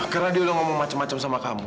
karena dia sudah ngomong macam macam sama kamu